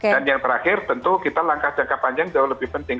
dan yang terakhir tentu kita langkah jangka panjang jauh lebih penting